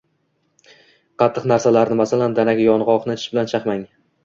Qattiq narsalarni, masalan, danak, yong‘oqni, tish bilan chaqmang.